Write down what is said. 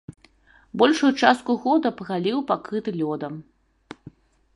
Большую частку года праліў пакрыты лёдам.